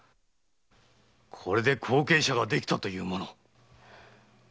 これで後継者ができたというもの。